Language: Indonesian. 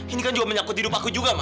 ini kan juga menyakut hidup aku juga mas